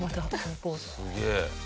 すげえ。